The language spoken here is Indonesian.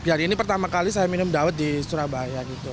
biar ini pertama kali saya minum dawet di surabaya gitu